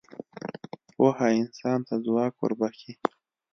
پوهه انسان ته ځواک وربخښي.